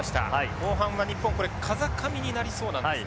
後半は日本これ風上になりそうなんですね。